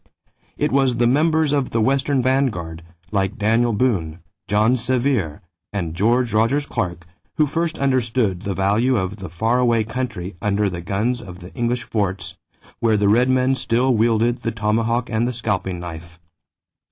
It was the members of the western vanguard, like Daniel Boone, John Sevier, and George Rogers Clark, who first understood the value of the far away country under the guns of the English forts, where the Red Men still wielded the tomahawk and the scalping knife.